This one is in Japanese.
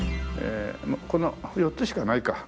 この４つしかないか。